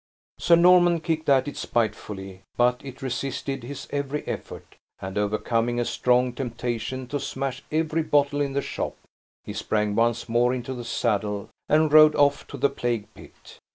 Sir Norman kicked at it spitefully, but it resisted his every effort; and, overcoming a strong temptation to smash every bottle in the shop, he sprang once more into the saddle, and rode off to the plague pit.